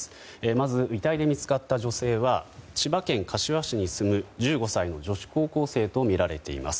まず、遺体で見つかった女性は千葉県柏市に住む１５歳の女子高校生とみられています。